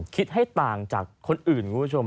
คิดให้ต่างจากคนอื่นคุณผู้ชม